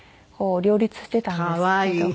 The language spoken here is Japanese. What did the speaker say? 両立していたんですけど。